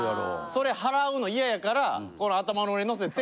それ払うの嫌やからこの頭の上にのせて。